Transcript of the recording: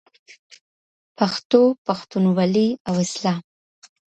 پښتو، پښتونولي او اسلام.